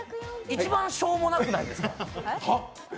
一番しょうもなくないですか？